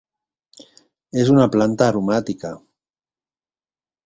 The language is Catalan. És una planta aromàtica.